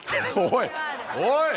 おい！